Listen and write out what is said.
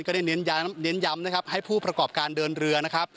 ก็ได้เน้นย้ำให้ผู้ประกอบการเดินเรือ